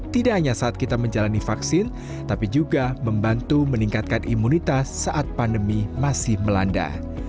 tidak hanya saat kita menjalani vaksin tapi juga membantu meningkatkan imunitas saat pandemi masih melanda